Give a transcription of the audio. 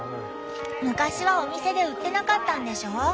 昔はお店で売ってなかったんでしょ？